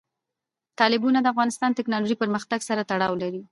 تالابونه د افغانستان د تکنالوژۍ پرمختګ سره تړاو لري.